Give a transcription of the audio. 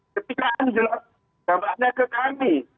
ketika ambil dampaknya ke kami